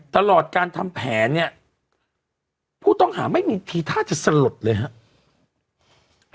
ตลอดการทำแผนเนี่ยผู้ต้องหาไม่มีทีท่าจะสลดเลยครับ